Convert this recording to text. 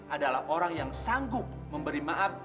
adalah orang yang sanggup memberi maaf